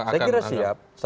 saya kira siap